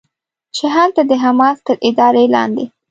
چې هلته د حماس تر ادارې لاندې